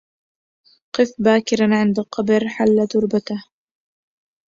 قف باكرا عند قبر حل تربته